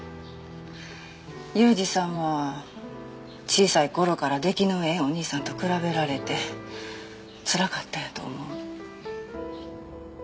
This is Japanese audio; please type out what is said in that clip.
裕二さんは小さい頃から出来のええお兄さんと比べられてつらかったんやと思う。